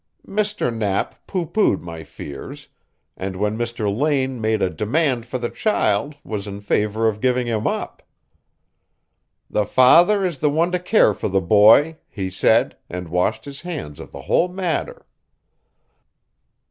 Mr. Knapp pooh poohed my fears, and when Mr. Lane made a demand for the child was in favor of giving him up. 'The father is the one to care for the boy,' he said, and washed his hands of the whole matter."